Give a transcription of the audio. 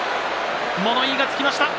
物言いがつきました。